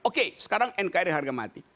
oke sekarang nkri harga mati